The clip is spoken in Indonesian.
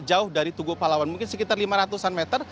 jauh dari tugu pahlawan mungkin sekitar lima ratus an meter